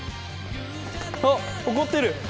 あっ怒ってる！